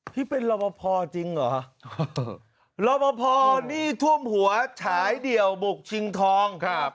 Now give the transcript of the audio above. พี่เป็นรอบพอจริงเหรอรอบพอหนี้ท่วมหัวฉายเดี่ยวบุกชิงทองครับ